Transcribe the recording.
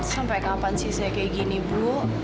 sampai kapan sih saya kayak gini bu